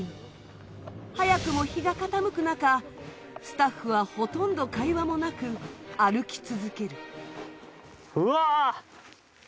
早くも日が傾く中スタッフはほとんど会話もなく歩き続ける。